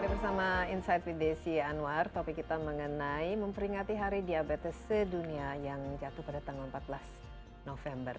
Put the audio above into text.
bersama insight with desi anwar topik kita mengenai memperingati hari diabetes sedunia yang jatuh pada tanggal empat belas november